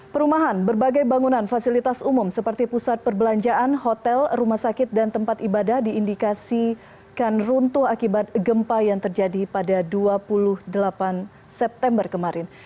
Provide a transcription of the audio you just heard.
perumahan berbagai bangunan fasilitas umum seperti pusat perbelanjaan hotel rumah sakit dan tempat ibadah diindikasikan runtuh akibat gempa yang terjadi pada dua puluh delapan september kemarin